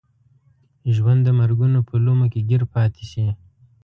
ژوند د مرګونو په لومو کې ګیر پاتې شي.